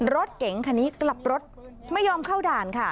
รถเก๋งคันนี้กลับรถไม่ยอมเข้าด่านค่ะ